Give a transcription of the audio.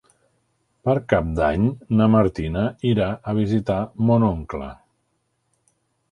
Per Cap d'Any na Martina irà a visitar mon oncle.